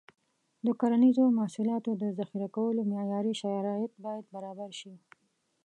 د کرنیزو محصولاتو د ذخیره کولو معیاري شرایط باید برابر شي.